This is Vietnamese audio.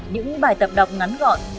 những bài tập đọc ngắn gọn